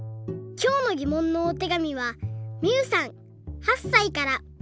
きょうのぎもんのおてがみはみゆさん８さいから。